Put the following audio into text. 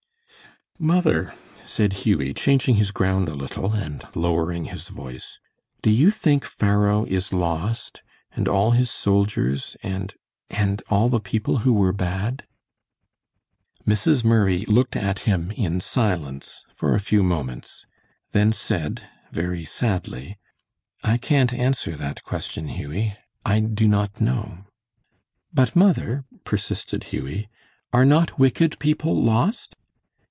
"Mother," said Hughie, changing his ground a little, and lowering his voice, "do you think Pharaoh is lost, and all his soldiers, and and all the people who were bad?" Mrs. Murray looked at him in silence for a few moments, then said, very sadly, "I can't answer that question, Hughie. I do not know." "But, mother," persisted Hughie, "are not wicked people lost?"